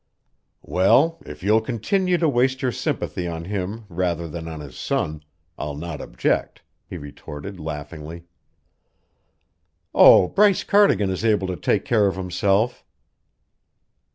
"Well, if you'll continue to waste your sympathy on him rather than on his son, I'll not object," he retorted laughingly. "Oh, Bryce Cardigan is able to take care of himself."